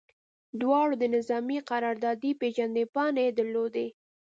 دواړو د نظامي قراردادي پیژندپاڼې درلودې